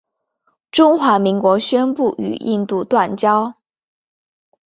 中华民国宣布与印度断交。